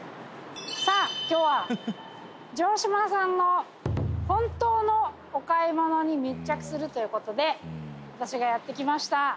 「さあ今日は城島さんの本当のお買い物に密着するということでやって来ました」